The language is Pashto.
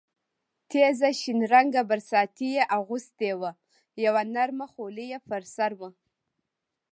تېزه شین رنګه برساتۍ یې اغوستې وه، یوه نرمه خولۍ یې پر سر وه.